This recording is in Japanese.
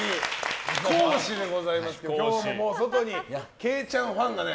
貴公子でございますけど今日も外に惠ちゃんファンがね